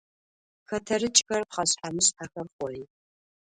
Xeterıç'xer, pxheşshe - mışshexer xhoi.